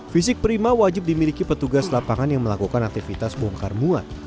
fisik prima wajib dimiliki petugas lapangan yang melakukan aktivitas bongkar muat